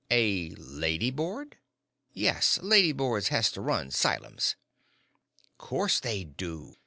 "A lady board?" "Yes lady boards has to run 'sylums." "Course they do.